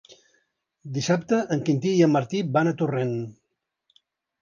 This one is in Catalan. Dissabte en Quintí i en Martí van a Torrent.